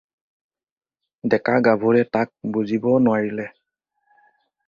ডেকা-গাভৰুৱে তাক বুজিব নোৱাৰিলে।